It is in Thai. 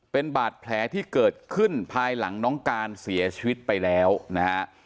เป็นบาดแผลที่เกิดขึ้นภายหลังน้องการเสียชีวิตไปแล้วนะฮะ